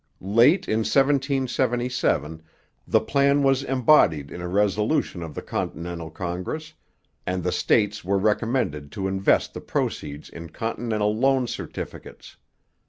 Late in 1777 the plan was embodied in a resolution of the Continental Congress, and the states were recommended to invest the proceeds in continental loan certificates.